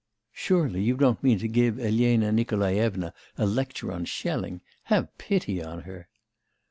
Surely you don't mean to give Elena Nikolaevna a lecture on Schelling? Have pity on her!